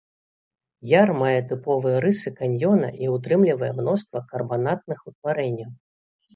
Яр мае тыповыя рысы каньёна і ўтрымлівае мноства карбанатных утварэнняў.